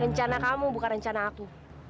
rencana kamu bukan rencana aku